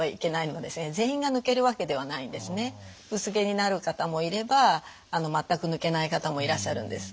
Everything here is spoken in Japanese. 薄毛になる方もいれば全く抜けない方もいらっしゃるんです。